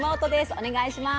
お願いします。